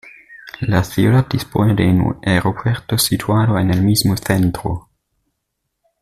La ciudad dispone de un aeropuerto situado en el mismo centro.